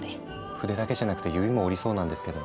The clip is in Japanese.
筆だけじゃなくて指も折りそうなんですけど。